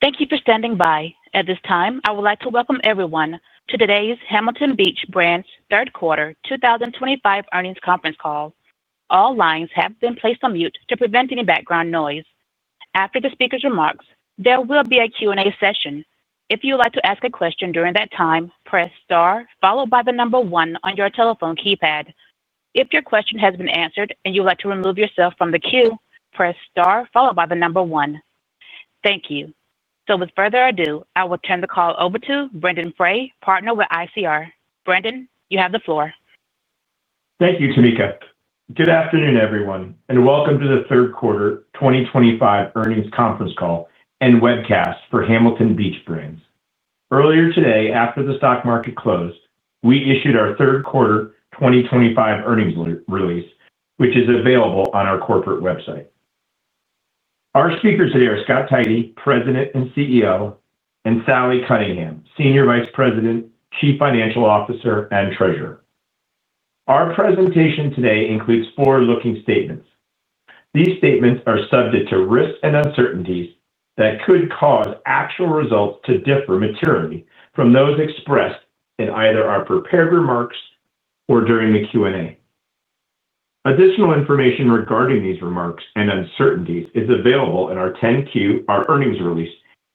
Thank you for standing by. At this time, I would like to welcome everyone to today's Hamilton Beach Brands Third Quarter 2025 earnings conference call. All lines have been placed on mute to prevent any background noise. After the speaker's remarks, there will be a Q&A session. If you would like to ask a question during that time, press star followed by the number one on your telephone keypad. If your question has been answered and you would like to remove yourself from the queue, press star followed by the number one. Thank you. Without further ado, I will turn the call over to Brendan Frey, Partner with ICR. Brendan, you have the floor. Thank you, Tamika. Good afternoon, everyone, and welcome to the Third Quarter 2025 earnings conference call and webcast for Hamilton Beach Brands. Earlier today, after the stock market closed, we issued our Third Quarter 2025 earnings release, which is available on our corporate website. Our speakers today are Scott Tidey, President and CEO, and Sally Cunningham, Senior Vice President, Chief Financial Officer, and Treasurer. Our presentation today includes forward-looking statements. These statements are subject to risks and uncertainties that could cause actual results to differ materially from those expressed in either our prepared remarks or during the Q&A. Additional information regarding these remarks and uncertainties is available in our 10Q, our earnings release,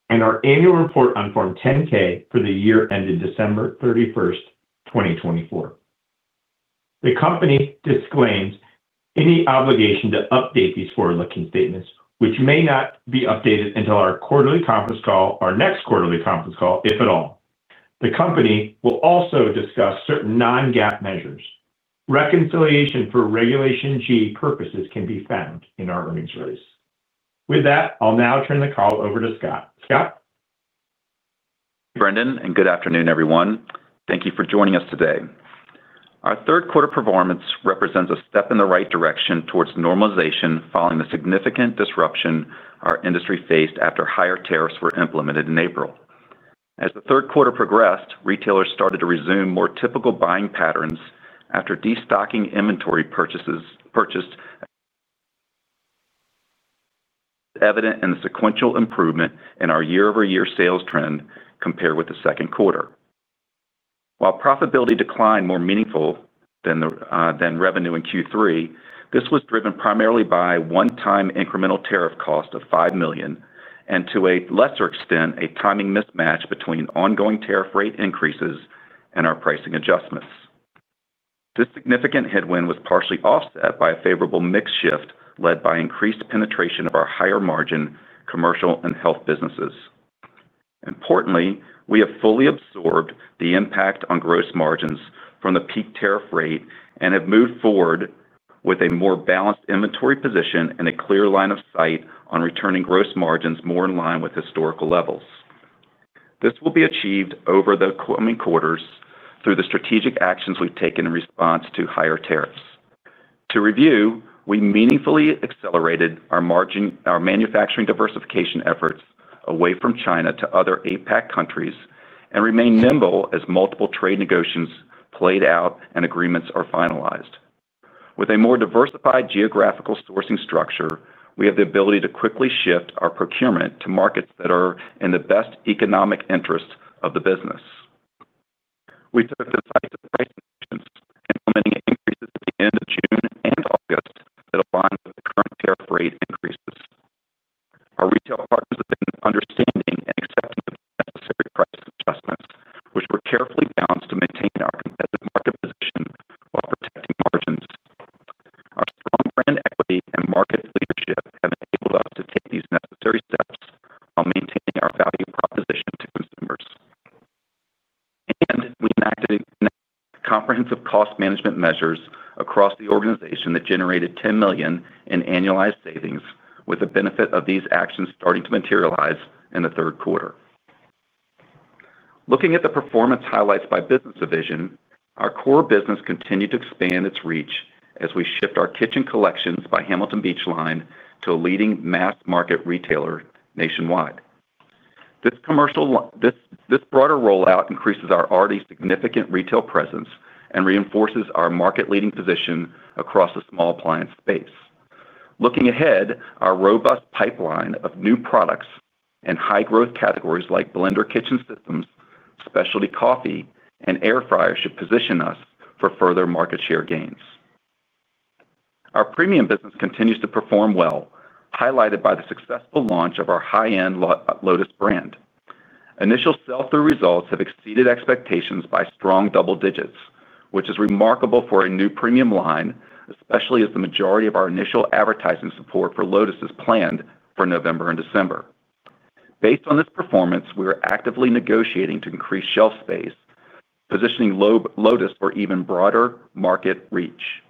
and our annual report on Form 10-K for the year ended December 31, 2024. The company disclaims any obligation to update these forward-looking statements, which may not be updated until our quarterly conference call, our next quarterly conference call, if at all. The company will also discuss certain non-GAAP measures. Reconciliation for Regulation G purposes can be found in our earnings release. With that, I'll now turn the call over to Scott. Scott. Brendan, and good afternoon, everyone. Thank you for joining us today. Our third quarter performance represents a step in the right direction towards normalization following the significant disruption our industry faced after higher tariffs were implemented in April. As the third quarter progressed, retailers started to resume more typical buying patterns after destocking inventory purchases. This was evident in the sequential improvement in our year-over-year sales trend compared with the second quarter. While profitability declined more meaningfully than revenue in Q3, this was driven primarily by a one-time incremental tariff cost of $5 million and, to a lesser extent, a timing mismatch between ongoing tariff rate increases and our pricing adjustments. This significant headwind was partially offset by a favorable mix shift led by increased penetration of our higher-margin commercial and health businesses. Importantly, we have fully absorbed the impact on gross margins from the peak tariff rate and have moved forward with a more balanced inventory position and a clear line of sight on returning gross margins more in line with historical levels. This will be achieved over the coming quarters through the strategic actions we've taken in response to higher tariffs. To review, we meaningfully accelerated our manufacturing diversification efforts away from China to other APAC countries and remain nimble as multiple trade negotiations played out and agreements are finalized. With a more diversified geographical sourcing structure, we have the ability to quickly shift our procurement to markets that are in the best economic interests of the business. We took the size of price decisions implementing increases at the end of and reinforces our market-leading position across the small appliance space. Looking ahead, our robust pipeline of new products and high-growth categories like blender kitchen systems, specialty coffee, and air fryers should position us for further market share gains. Our premium business continues to perform well, highlighted by the successful launch of our high-end Lotus brand. Initial sell-through results have exceeded expectations by strong double digits, which is remarkable for a new premium line, especially as the majority of our initial advertising support for Lotus is planned for November and December. Based on this performance, we are actively negotiating to increase shelf space, positioning Lotus for even broader market reach.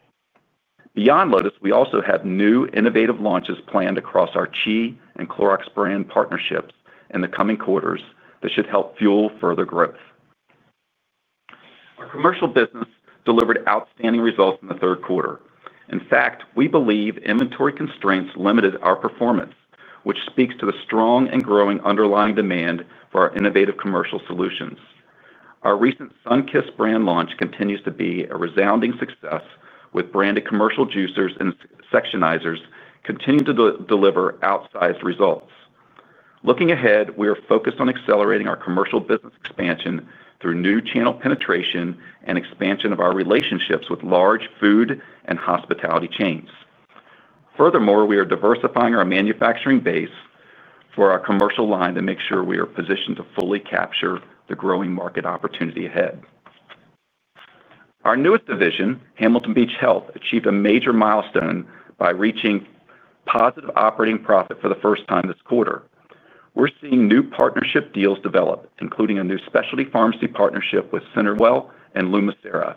Beyond Lotus, we also have new innovative launches planned across our Qi and Clorox brand partnerships in the coming quarters that should help fuel further growth. Our commercial business delivered outstanding results in the third quarter. In fact, we believe inventory constraints limited our performance, which speaks to the strong and growing underlying demand for our innovative commercial solutions. Our recent Sun Kiss brand launch continues to be a resounding success, with branded commercial juicers and sectionizers continuing to deliver outsized results. Looking ahead, we are focused on accelerating our commercial business expansion through new channel penetration and expansion of our relationships with large food and hospitality chains. Furthermore, we are diversifying our manufacturing base for our commercial line to make sure we are positioned to fully capture the growing market opportunity ahead. Our newest division, Hamilton Beach Health, achieved a major milestone by reaching positive operating profit for the first time this quarter. We're seeing new partnership deals develop, including a new specialty pharmacy partnership with Centerville and Lumasera,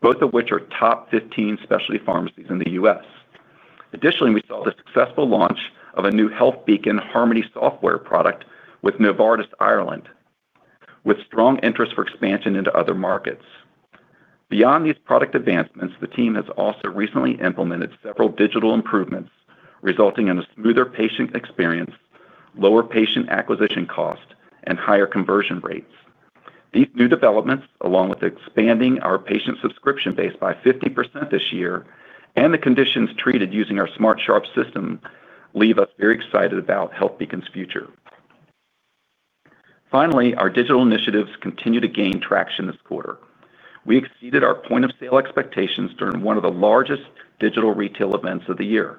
both of which are top 15 specialty pharmacies in the US. Additionally, we saw the successful launch of a new Health Beacon Harmony software product with Novartis Ireland, with strong interest for expansion into other markets. Beyond these product advancements, the team has also recently implemented several digital improvements, resulting in a smoother patient experience, lower patient acquisition cost, and higher conversion rates. These new developments, along with expanding our patient subscription base by 50% this year and the conditions treated using our SmartSharp system, leave us very excited about Health Beacon's future. Finally, our digital initiatives continue to gain traction this quarter. We exceeded our point-of-sale expectations during one of the largest digital retail events of the year.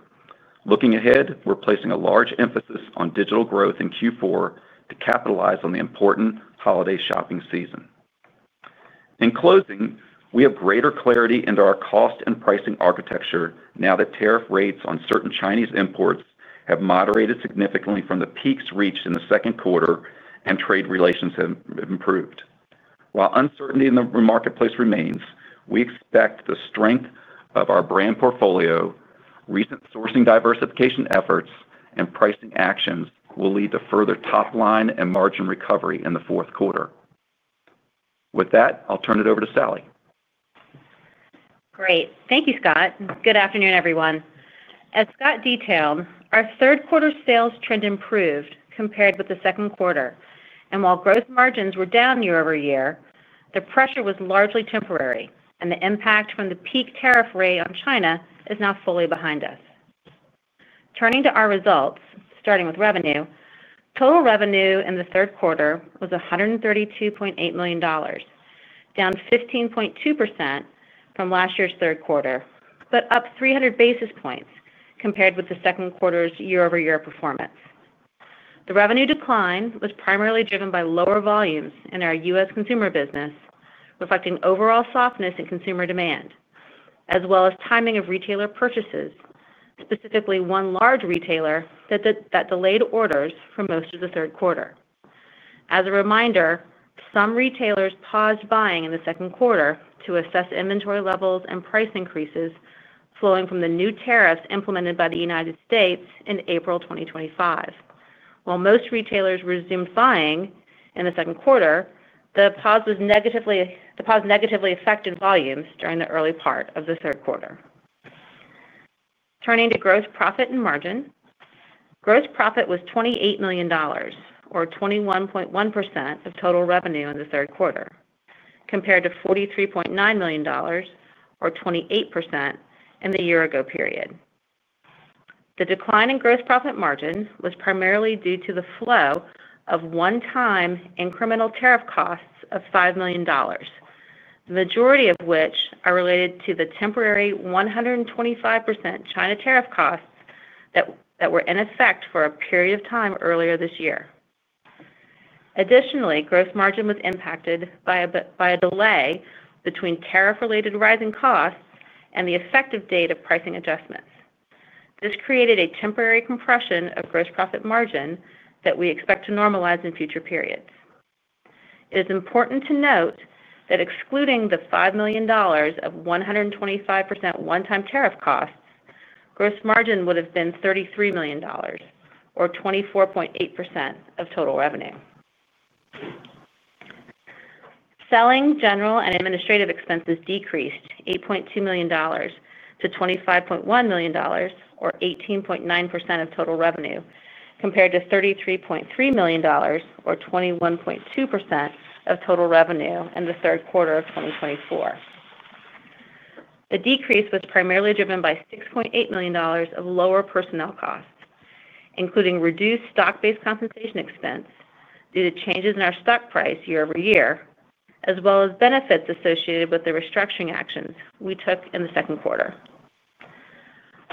Looking ahead, we're placing a large emphasis on digital growth in Q4 to capitalize on the important holiday shopping season. In closing, we have greater clarity into our cost and pricing architecture now that tariff rates on certain Chinese imports have moderated significantly from the peaks reached in the second quarter, and trade relations have improved. While uncertainty in the marketplace remains, we expect the strength of our brand portfolio, recent sourcing diversification efforts, and pricing actions will lead to further top-line and margin recovery in the fourth quarter. With that, I'll turn it over to Sally. Great. Thank you, Scott. Good afternoon, everyone. As Scott detailed, our third-quarter sales trend improved compared with the second quarter, and while gross margins were down year-over-year, the pressure was largely temporary, and the impact from the peak tariff rate on China is now fully behind us. Turning to our results, starting with revenue, total revenue in the third quarter was $132.8 million. Down 15.2% from last year's third quarter, but up 300 basis points compared with the second quarter's year-over-year performance. The revenue decline was primarily driven by lower volumes in our U.S. consumer business, reflecting overall softness in consumer demand, as well as timing of retailer purchases, specifically one large retailer that delayed orders for most of the third quarter. As a reminder, some retailers paused buying in the second quarter to assess inventory levels and price increases flowing from the new tariffs implemented by the United States in April 2025. While most retailers resumed buying in the second quarter, the pause negatively affected volumes during the early part of the third quarter. Turning to gross profit and margin, gross profit was $28 million, or 21.1% of total revenue in the third quarter, compared to $43.9 million, or 28%, in the year-ago period. The decline in gross profit margin was primarily due to the flow of one-time incremental tariff costs of $5 million, the majority of which are related to the temporary 125% China tariff costs that were in effect for a period of time earlier this year. Additionally, gross margin was impacted by a delay between tariff-related rising costs and the effective date of pricing adjustments. This created a temporary compression of gross profit margin that we expect to normalize in future periods. It is important to note that excluding the $5 million of 125% one-time tariff costs, gross margin would have been $33 million, or 24.8% of total revenue. Selling, general, and administrative expenses decreased $8.2 million to $25.1 million, or 18.9% of total revenue, compared to $33.3 million, or 21.2% of total revenue in the third quarter of 2024. The decrease was primarily driven by $6.8 million of lower personnel costs, including reduced stock-based compensation expense due to changes in our stock price year-over-year, as well as benefits associated with the restructuring actions we took in the second quarter.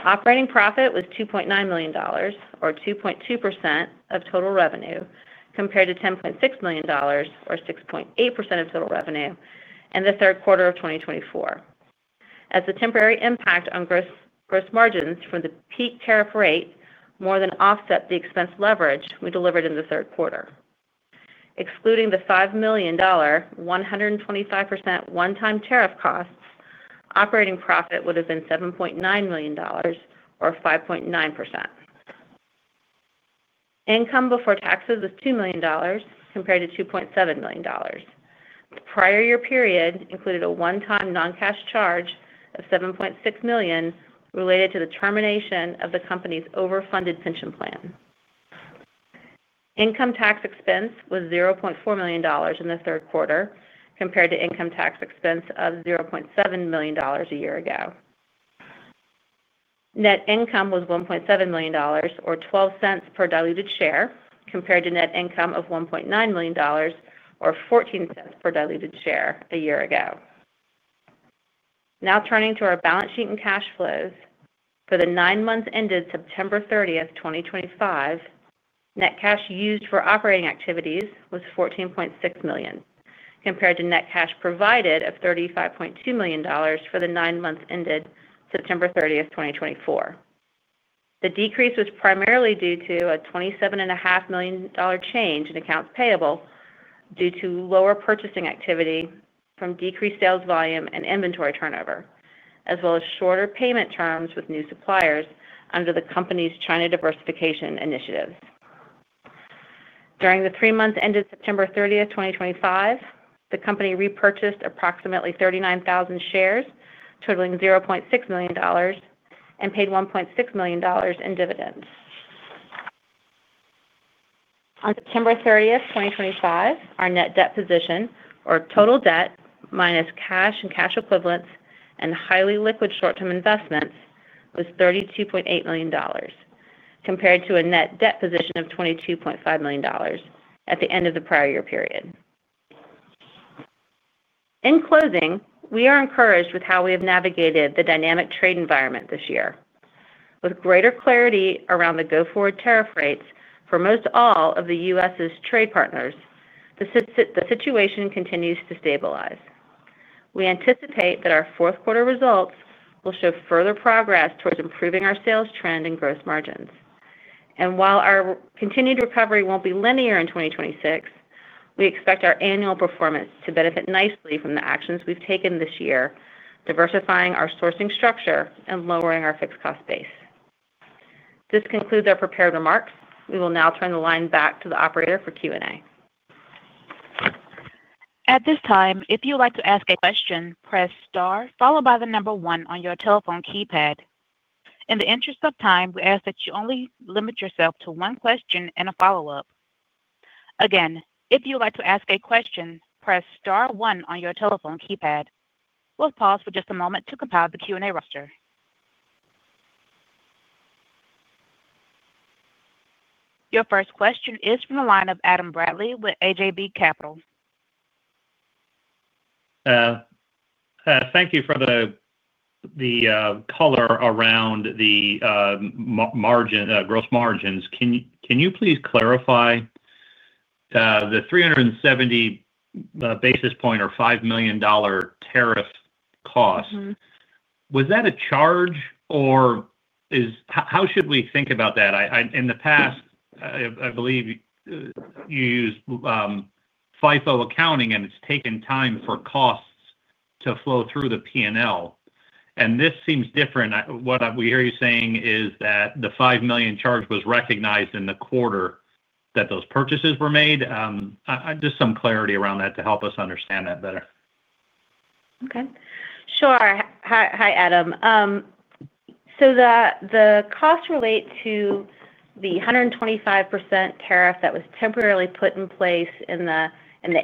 Operating profit was $2.9 million, or 2.2% of total revenue, compared to $10.6 million, or 6.8% of total revenue in the third quarter of 2024. As the temporary impact on gross margins from the peak tariff rate more than offset the expense leverage we delivered in the third quarter. Excluding the $5 million, 125% one-time tariff costs, operating profit would have been $7.9 million, or 5.9%. Income before taxes was $2 million, compared to $2.7 million. The prior year period included a one-time non-cash charge of $7.6 million related to the termination of the company's overfunded pension plan. Income tax expense was $0.4 million in the third quarter, compared to income tax expense of $0.7 million a year ago. Net income was $1.7 million, or 12 cents per diluted share, compared to net income of $1.9 million, or 14 cents per diluted share a year ago. Now turning to our balance sheet and cash flows, for the nine months ended September 30, 2025. Net cash used for operating activities was $14.6 million, compared to net cash provided of $35.2 million for the nine months ended September 30, 2024. The decrease was primarily due to a $27.5 million change in accounts payable due to lower purchasing activity from decreased sales volume and inventory turnover, as well as shorter payment terms with new suppliers under the company's China diversification initiatives. During the three months ended September 30, 2025, the company repurchased approximately 39,000 shares, totaling $0.6 million. The company paid $1.6 million in dividends. On September 30, 2025, our net debt position, or total debt minus cash and cash equivalents and highly liquid short-term investments, was $32.8 million, compared to a net debt position of $22.5 million at the end of the prior year period. In closing, we are encouraged with how we have navigated the dynamic trade environment this year. With greater clarity around the go-forward tariff rates for most all of the U.S.'s trade partners, the situation continues to stabilize. We anticipate that our fourth-quarter results will show further progress towards improving our sales trend and gross margins. While our continued recovery will not be linear in 2026, we expect our annual performance to benefit nicely from the actions we have taken this year, diversifying our sourcing structure and lowering our fixed-cost base. This concludes our prepared remarks. We will now turn the line back to the operator for Q&A. At this time, if you would like to ask a question, press star followed by the number one on your telephone keypad. In the interest of time, we ask that you only limit yourself to one question and a follow-up. Again, if you would like to ask a question, press star one on your telephone keypad. We'll pause for just a moment to compile the Q&A roster. Your first question is from the line of Adam Bradley with AJB Capital. Thank you for the color around the gross margins. Can you please clarify the 370 basis point or $5 million tariff cost? Was that a charge, or how should we think about that? In the past, I believe you used FIFO accounting, and it has taken time for costs to flow through the P&L. This seems different. What we hear you saying is that the $5 million charge was recognized in the quarter that those purchases were made. Just some clarity around that to help us understand that better. Okay. Sure. Hi, Adam. The costs relate to the 125% tariff that was temporarily put in place in the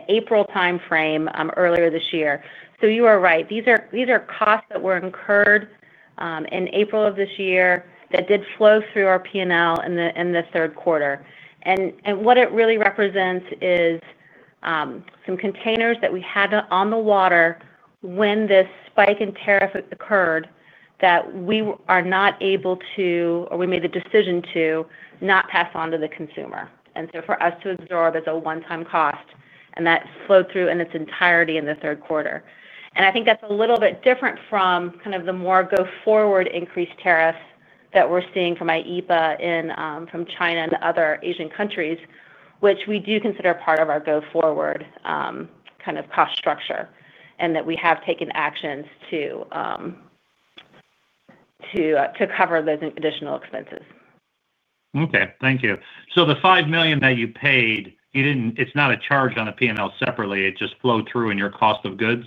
April timeframe earlier this year. You are right. These are costs that were incurred in April of this year that did flow through our P&L in the third quarter. What it really represents is some containers that we had on the water when this spike in tariff occurred that we are not able to, or we made the decision to, not pass on to the consumer. For us to absorb as a one-time cost, that flowed through in its entirety in the third quarter. I think that's a little bit different from kind of the more go-forward increased tariffs that we're seeing from China and other Asian countries, which we do consider part of our go-forward. Kind of cost structure and that we have taken actions to cover those additional expenses. Okay. Thank you. So the $5 million that you paid, it's not a charge on a P&L separately. It just flowed through in your cost of goods?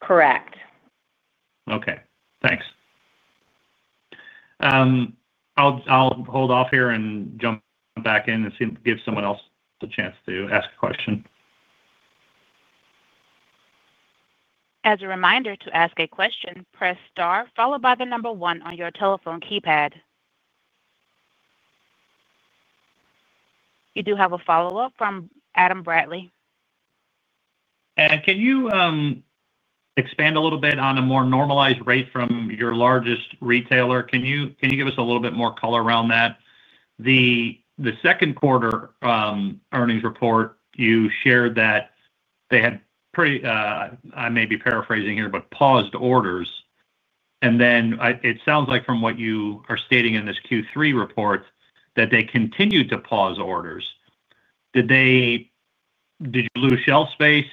Correct. Okay. Thanks. I'll hold off here and jump back in and give someone else the chance to ask a question. As a reminder, to ask a question, press star followed by the number one on your telephone keypad. You do have a follow-up from Adam Bradley. Can you expand a little bit on a more normalized rate from your largest retailer? Can you give us a little bit more color around that? The second quarter earnings report, you shared that they had pretty—I may be paraphrasing here—but paused orders. It sounds like from what you are stating in this Q3 report that they continued to pause orders. Did you lose shelf space?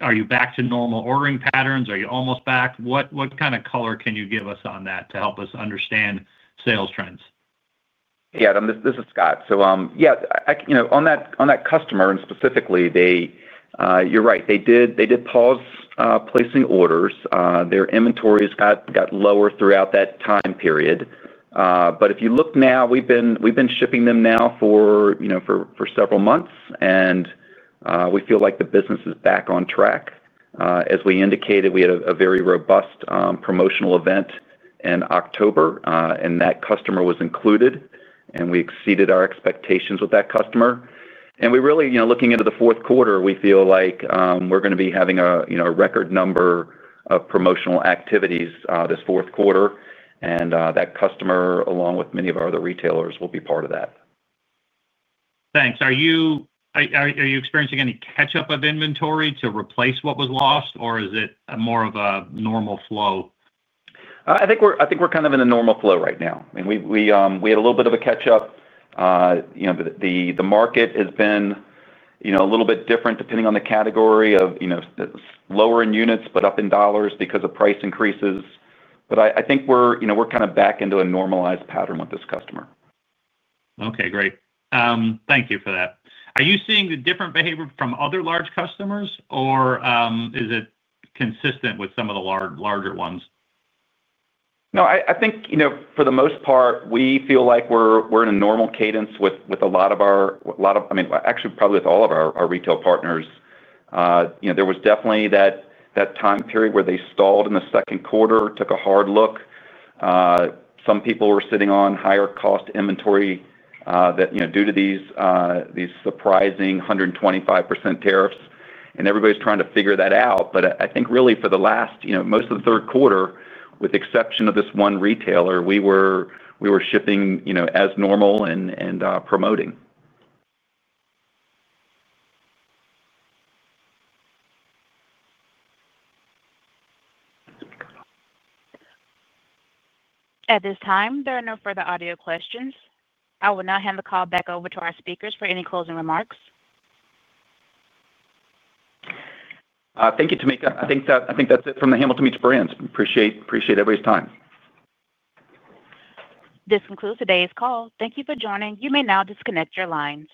Are you back to normal ordering patterns? Are you almost back? What kind of color can you give us on that to help us understand sales trends? Yeah, this is Scott. Yeah, on that customer and specifically. You're right. They did pause placing orders. Their inventories got lower throughout that time period. If you look now, we've been shipping them now for several months, and we feel like the business is back on track. As we indicated, we had a very robust promotional event in October, and that customer was included, and we exceeded our expectations with that customer. We really, looking into the fourth quarter, feel like we're going to be having a record number of promotional activities this fourth quarter. That customer, along with many of our other retailers, will be part of that. Thanks. Are you experiencing any catch-up of inventory to replace what was lost, or is it more of a normal flow? I think we're kind of in a normal flow right now. I mean, we had a little bit of a catch-up. The market has been a little bit different depending on the category. Lower in units but up in dollars because of price increases. I think we're kind of back into a normalized pattern with this customer. Okay. Great. Thank you for that. Are you seeing the different behavior from other large customers, or is it consistent with some of the larger ones? No, I think for the most part, we feel like we're in a normal cadence with a lot of our—I mean, actually, probably with all of our retail partners. There was definitely that time period where they stalled in the second quarter, took a hard look. Some people were sitting on higher cost inventory due to these surprising 125% tariffs. Everybody's trying to figure that out. I think really for the last—most of the third quarter, with the exception of this one retailer, we were shipping as normal and promoting. At this time, there are no further audio questions. I will now hand the call back over to our speakers for any closing remarks. Thank you, Tamika. I think that's it from Hamilton Beach Brands. Appreciate everybody's time. This concludes today's call. Thank you for joining. You may now disconnect your lines.